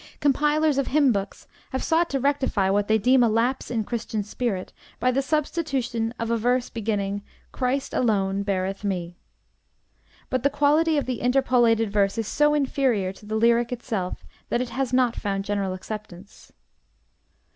Compilers of hymn books have sought to rectify what they deem a lapse in Christian spirit by the substitution of a verse begining "Christ alone beareth me." But the quality of the interpolated verse is so inferior to the lyric itself that it has not found general acceptance.